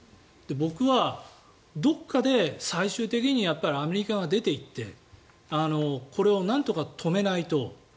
僕はどこかで最終的にアメリカが出ていってこれをなんとか止めないと。